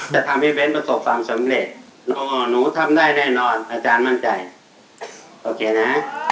จะทำให้เบ้นประสบความสำเร็จโอ้หนูทำได้แน่นอนอาจารย์มั่นใจโอเคนะ